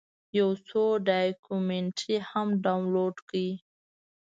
یو څو ډاکمنټرۍ هم ډاونلوډ کړې.